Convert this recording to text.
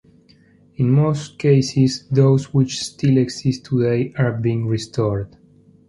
In most cases those which still exist today are being restored.